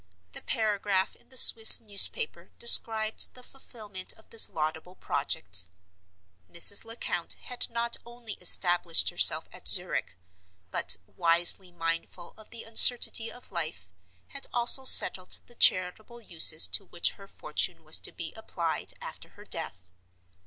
The paragraph in the Swiss newspaper described the fulfillment of this laudable project. Mrs. Lecount had not only established herself at Zurich, but (wisely mindful of the uncertainty of life) had also settled the charitable uses to which her fortune was to be applied after her death.